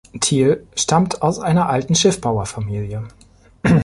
Thiel stammt aus einer alten Schiffbauer-Familie.